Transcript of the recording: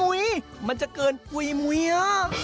อุ๊ยมันจะเกินกุยมุย